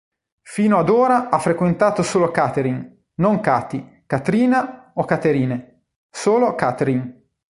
Fino ad ora ha frequentato solo Catherine, non Cathy, Katrina o Katherine, solo Catherine.